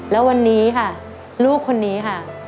แล้ววันนี้ค่ะลูกคนนี้ค่ะ